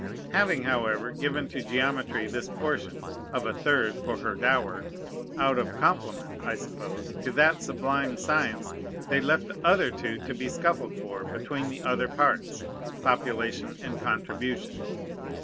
Having, however, given to geometry this portion, (of a third for her dower,) out of compliment, I suppose, to that sublime science, they left the other two to be scuffled for between the other parts, population and contribution.